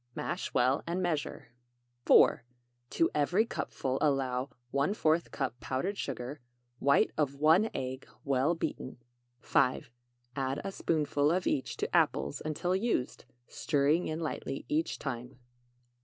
Mash well and measure. 4. To every cupful, allow ¼ cup powdered sugar, white of 1 egg, well beaten. 5. Add a spoonful of each to apples until used, stirring in lightly each time.